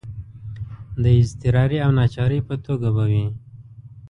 د اضطراري او ناچارۍ په توګه به وي.